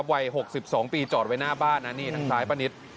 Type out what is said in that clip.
วัย๖๒ปีจอดไว้หน้าบ้านนะนี่ทางซ้ายป้านิต